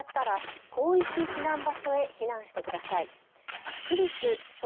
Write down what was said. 火災が広がったら広域避難場所へ避難してください。